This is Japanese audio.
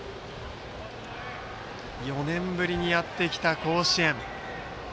４年ぶりにやってきた甲子園。